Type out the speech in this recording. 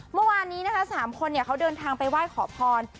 เมื่อวานนี้นะคะ๓คนเขาเดินทางไปไหว้ขอพร